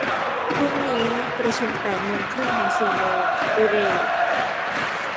พรุ่งนี้ประชุมแปดครึ่งถึงสี่โมง อูเร